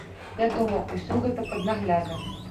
Вядома, усё гэта пад наглядам.